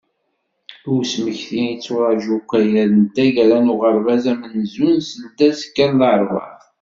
I usemekti, yetturaǧu ukayad n taggara n uɣerbaz amenzu seldazekka n larebɛa.